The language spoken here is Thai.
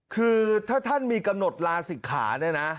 คือถ้าท่านมีกำหนดลาศิกขาเนี่ยนะ